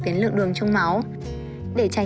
đến lượng đường trong máu để tránh